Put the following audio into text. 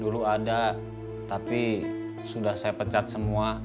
dulu ada tapi sudah saya pencat semua